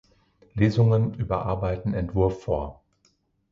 Lesung überarbeiteten Entwurf vor.